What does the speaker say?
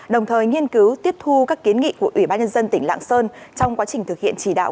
đồng thời nghiên cứu tiếp thu các kiến nghị của ubnd tỉnh lạng sơn trong quá trình thực hiện chỉ đạo